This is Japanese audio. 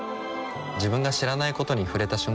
自分が知らないことに触れた瞬間